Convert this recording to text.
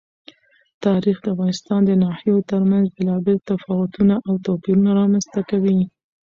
تاریخ د افغانستان د ناحیو ترمنځ بېلابېل تفاوتونه او توپیرونه رامنځ ته کوي.